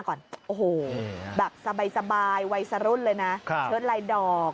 ก่อนโอ้โหแบบสบายวัยสรุ่นเลยนะเชิดลายดอก